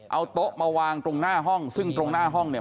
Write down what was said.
เอาโต๊ะมาวางตรงหน้าห้องซึ่งตรงหน้าห้องเนี่ย